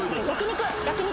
焼き肉。